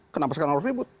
kenapa sekarang orang ribut